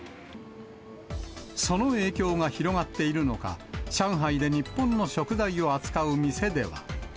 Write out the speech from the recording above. その影響が広がっているのか、上海で日本の食材を扱う店では。